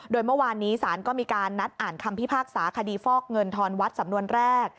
โดยเมื่อวานนี้ศาลก็มีการนัดอ่านคำพิพากษาคดีฟอกเงินทอนวัดสำนวนแรก